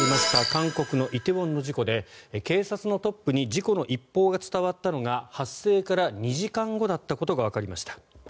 韓国の梨泰院の事故で警察のトップに事故の一報が伝わったのが発生から２時間後だったことがわかりました。